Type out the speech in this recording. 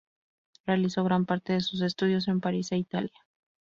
Realizó gran parte de sus estudios en París e Italia.